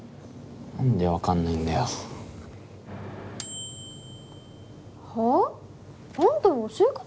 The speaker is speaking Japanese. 何で分かんないんだよ。はあ？あんたの教え方が悪いんでしょ。